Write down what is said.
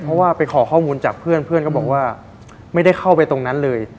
เพราะว่าไปขอข้อมูลจากเพื่อนเพื่อนก็บอกว่าไม่ได้เข้าไปตรงนั้นเลย